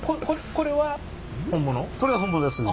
これは本物ですね。